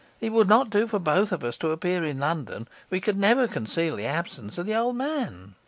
It would not do for both of us to appear in London; we could never conceal the absence of the old man.